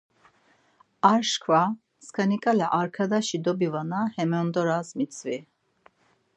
Ar çkva skaniǩala arkadaşi dobivana, hemindoras mitzvi!